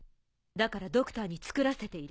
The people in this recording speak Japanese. だからドクターに作らせている。